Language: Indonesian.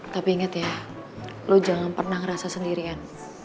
tapi inget ya lo jangan pernah ngerasa sendirian